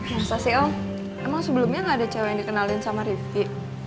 masa sih el emang sebelumnya gak ada cewe yang dikenalin sama rifqi